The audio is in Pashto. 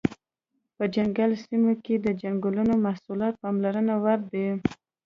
په ځنګلي سیمو کې د ځنګلونو محصولات پاملرنې وړ دي.